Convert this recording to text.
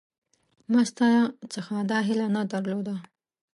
ما ستا څخه دا هیله نه درلوده